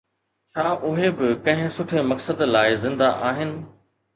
ڇا اهي به ڪنهن سٺي مقصد لاءِ زنده آهن؟